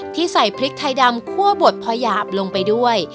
ใส่พริกไทยดำคั่วบดพอหยาบลงไปด้วย